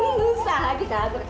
kita semakin dekat dekat